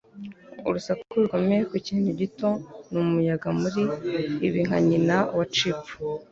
Urusaku rukomeye ku kintu gito ni "umuyaga muri" ibi, nka nyina wa chip